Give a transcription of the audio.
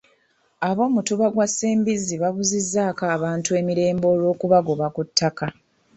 Ab'omutuba gwa Ssembizzi babuzizzaako abantu emirembe olw'okubagoba ku ttaka.